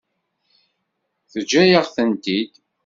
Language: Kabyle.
Teǧǧa-yaɣ-tent-id.